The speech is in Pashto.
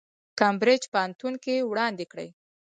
کمبریج پوهنتون کې وړاندې کړي.